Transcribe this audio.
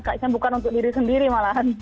kak isen bukan untuk diri sendiri malahan